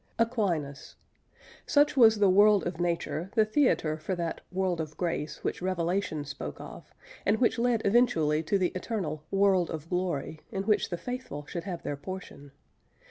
AQUINAS. Such was the "world of nature," the theatre for that "world of grace" which Revelation spoke of, and which led eventually to the eternal "world of glory" in which the faithful should have their portion.